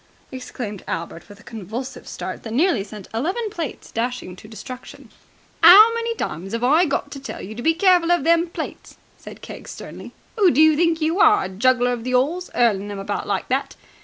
exclaimed Albert with a convulsive start that nearly sent eleven plates dashing to destruction. "'Ow many times have I got to tell you to be careful of them plates?" said Keggs sternly. "Who do you think you are a juggler on the 'Alls, 'urling them about like that?